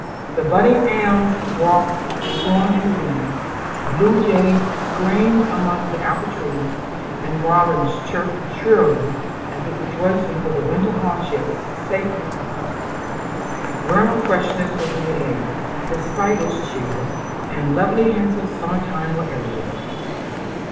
The budding elm boughs swung in the wind; blue jays screamed among the apple trees; and robins chirped shrilly, as if rejoicing over winter hardships safely passed. Vernal freshness was in the air despite its chill, and lovely hints of summer time were everywhere.